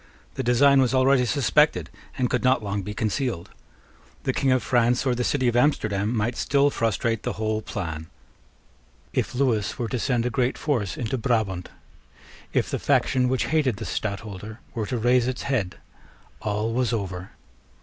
The design was already suspected, and could not be long concealed. The King of France or the city of Amsterdam might still frustrate the whole plan. If Lewis were to send a great force into Brabant, if the faction which hated the Stadtholder were to raise its head, all was over.